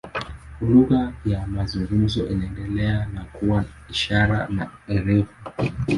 Lugha ya mazungumzo iliendelea na kuwa ishara na herufi.